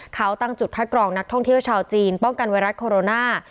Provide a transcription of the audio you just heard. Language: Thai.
เขาตั้งจุดคัดกรองนักท่องเที่ยวชาวจีนป้องกันไวรัสโคโรนา